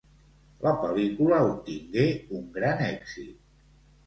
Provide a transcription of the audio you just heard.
La pel·lícula obtingué un gran èxit.